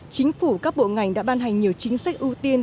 chính phủ các bộ ngành đã ban hành nhiều chính sách ưu tiên